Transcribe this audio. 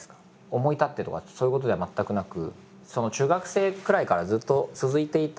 思い立ってとかそういうことでは全くなく。